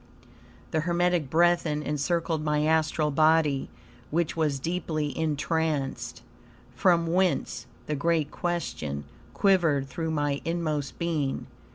The Hermetic brethren encircled my astral body, which was deeply entranced. "From whence," the great question, quivered through my inmost being.